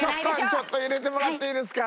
ちょっと入れてもらっていいですか？